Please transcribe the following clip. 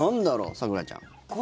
咲楽ちゃん。